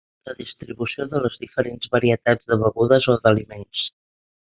La distribució de les diferents varietats de begudes o d'aliments.